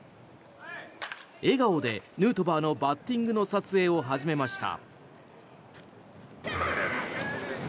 笑顔でヌートバーのバッティングの撮影を始めました。